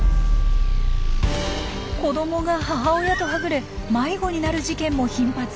子どもが母親とはぐれ迷子になる事件も頻発。